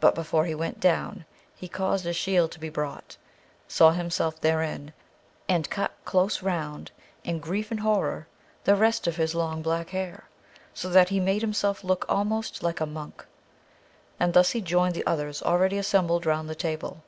But before he went down, he caused a shield to be brought, saw himself therein, and cut close round, in grief and horror, the rest of his long black hair, so that he made himself look almost like a monk; and thus he joined the others already assembled round the table.